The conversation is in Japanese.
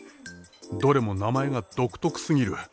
どれも名前が独特すぎる。